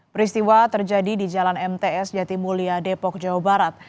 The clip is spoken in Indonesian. peristiwa terjadi di jalan mts jatimulia depok jawa barat